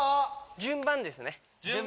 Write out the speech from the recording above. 順番ですね。